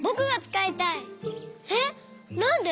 えっなんで？